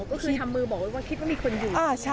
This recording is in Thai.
ก็คือทำมือบอกว่าคิดว่ามีคนอยู่